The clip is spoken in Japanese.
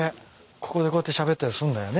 ここでこうやってしゃべったりすんだよね。